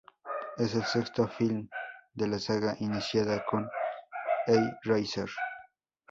Es el sexto film de la saga iniciada con Hellraiser.